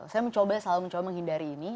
saya mencoba selalu mencoba menghindari ini